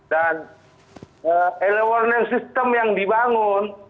dan e learning system yang dibangun